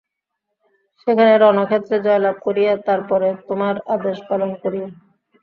সেখানে রণক্ষেত্রে জয়লাভ করিয়া তার পরে তােমার আদেশ পালন করিও!